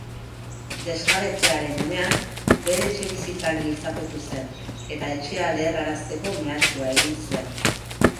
Desjabetzearen unean, bere etxebizitzan giltzapetu zen eta etxea leherrarazteko mehatxua egin zuen.